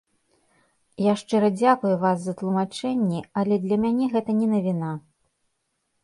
Я шчыра дзякую вас за тлумачэнні, але для мяне гэта не навіна.